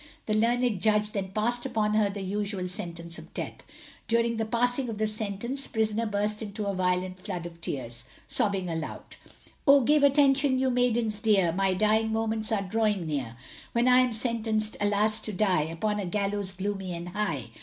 The learned Judge then passed upon her the usual Sentence of Death. During the passing of the sentence, prisoner burst into a violent flood of tears, sobbing aloud. Oh, give attention, you maidens dear, My dying moments are drawing near, When I am sentenc'd alas to die, Upon a gallows gloomy and high.